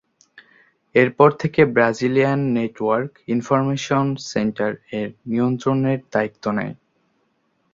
এরপর থেকে Brazilian network information centre এর নিয়ন্ত্রণের দ্বায়িত্ব নেয়।